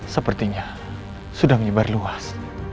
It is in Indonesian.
sepertinya sudah menyebar luas